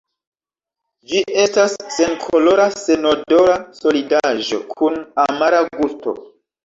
Ĝi estas senkolora senodora solidaĵo kun amara gusto.